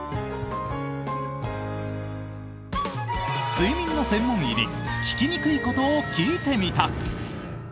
睡眠の専門医に聞きにくいことを聞いてみた。